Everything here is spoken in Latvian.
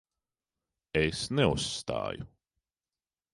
Es neuzstāju.